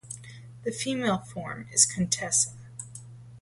The female form is "contessa".